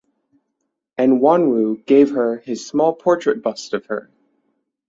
Enwonwu gave her his small portrait bust of her.